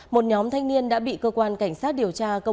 một nhóm thanh niên đã bị cơ quan cảnh sát điều tra công an huyện thanh